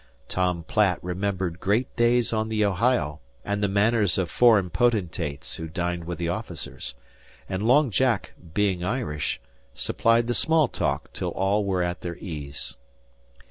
Tom Platt remembered the great days on the Ohio and the manners of foreign potentates who dined with the officers; and Long Jack, being Irish, supplied the small talk till all were at their ease.